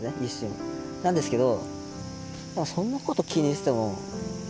なんですけど。